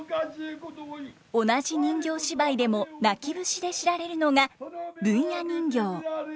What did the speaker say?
同じ人形芝居でも泣き節で知られるのが文弥人形。